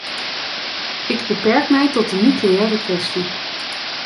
Ik beperk mij tot de nucleaire kwestie.